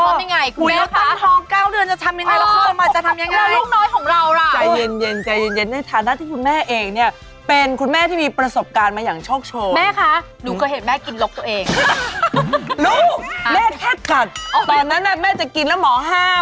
ลูกแม่แค่กัดตอนนั้นแม่จะกินแล้วหมอห้าม